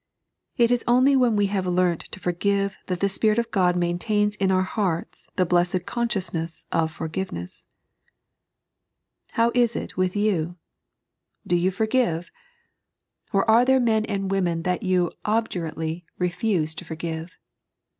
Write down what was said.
It is only when we have learnt to for give that the Spirit of Ood maintains in our hearts the blessed consciousness of forgiveness. How is it with yout Do yon forgive 1 Or are there 3.n.iized by Google Eight the Wrong. 133 men and women that you obdvirately refuse to forgive?